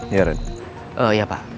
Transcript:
yaran oh iya pa